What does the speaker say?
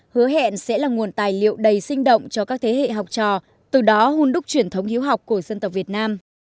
hứa hẹn sẽ là nguồn tài liệu đầy sinh động cho các thế hệ học trò từ đó hôn đúc truyền thống hiếu học của dân tộc việt nam